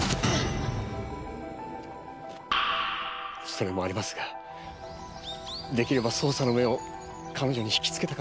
それもありますが出来れば捜査の目を彼女に引き付けたかった。